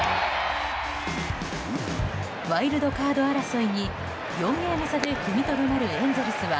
ワイルドカード争いに４ゲーム差で踏みとどまるエンゼルスは